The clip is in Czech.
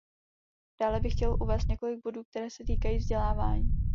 Dále bych chtěl uvést několik bodů, které se týkají vzdělání.